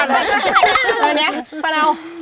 อะไรเนี่ยป่าเรา